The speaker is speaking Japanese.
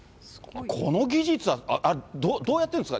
この技術は、どうやってるんですか？